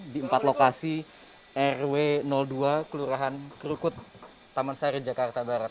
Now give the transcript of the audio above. di empat lokasi rw dua kelurahan krukut taman sari jakarta barat